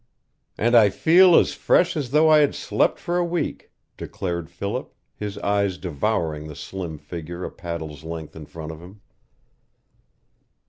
"And I feel as fresh as though I had slept for a week," declared Philip, his eyes devouring the slim figure a paddle's length in front of him.